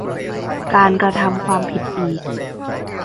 การกระทำความผิดอีก